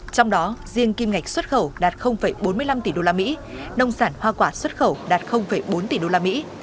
trong đó riêng kim ngạch xuất khẩu đạt bốn mươi năm tỷ đô la mỹ nông sản hoa quả xuất khẩu đạt bốn tỷ đô la mỹ